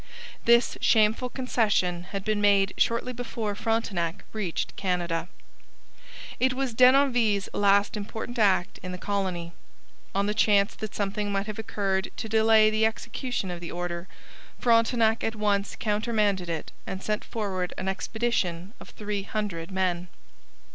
This shameful concession had been made shortly before Frontenac reached Canada. It was Denonville's last important act in the colony. On the chance that something might have occurred to delay execution of the order, Frontenac at once countermanded it and sent forward an expedition of three hundred men.